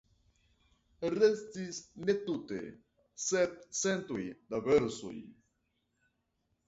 Restis ne tute sep centoj da versoj.